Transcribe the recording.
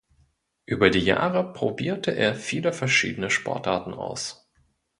Über die Jahre probierte er viele verschiedene Sportarten aus.